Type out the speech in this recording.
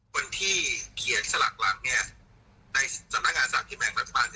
คนที่นะครับ